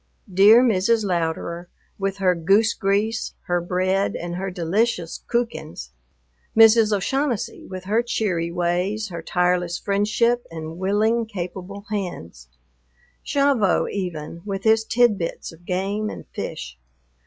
Dear Mrs. Louderer, with her goose grease, her bread, and her delicious "kuchens." Mrs. O'Shaughnessy, with her cheery ways, her tireless friendship, and willing, capable hands. Gavotte even, with his tidbits of game and fish.